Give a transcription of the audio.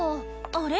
あれ？